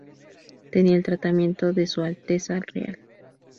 Tenía el tratamiento de "Su Alteza Real".